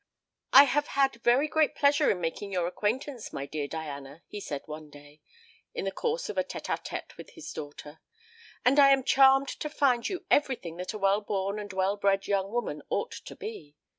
"I have had very great pleasure in making your acquaintance, my dear Diana," he said one day, in the course of a tête à tête with his daughter; "and I am charmed to find you everything that a well born and well bred young woman ought to be.